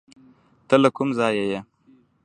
ته له کوم ځایه یې؟